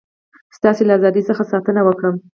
ستاسي له ازادی څخه ساتنه وکړم.